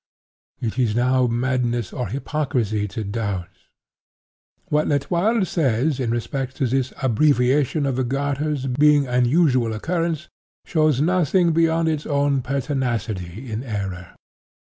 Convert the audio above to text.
It is now madness or hypocrisy to doubt. What L'Etoile says in respect to this abbreviation of the garters being an usual occurrence, shows nothing beyond its own pertinacity in error.